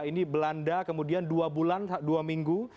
ini belanda kemudian dua bulan dua minggu